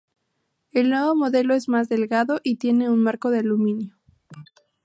El nuevo modelo es más delgado, y tiene un marco de aluminio.